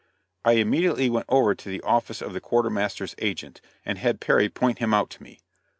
I immediately went over to the office of the quartermaster's agent, and had Perry point him out to me.